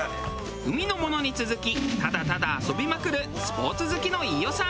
海のものに続きただただ遊びまくるスポーツ好きの飯尾さん。